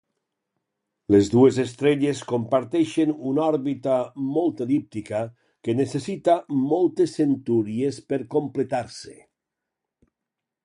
Les dues estrelles comparteixen una òrbita molt el·líptica que necessita moltes centúries per completar-se.